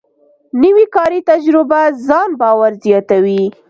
نوې کاري تجربه ځان باور زیاتوي